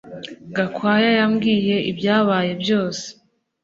Gakwaya yambwiye ibyabaye byose